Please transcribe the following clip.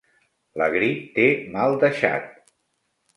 La grip té mal deixat.